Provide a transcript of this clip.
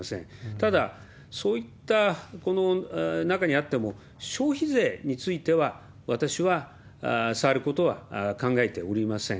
ただ、そういった、この中にあっても、消費税については、私は触ることは考えておりません。